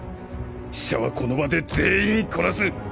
使者はこの場で全員殺す！